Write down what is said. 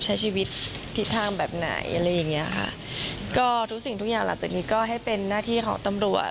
สิ่งทุกอย่างหลังจากนี้ก็ให้เป็นหน้าที่ของตำรวจ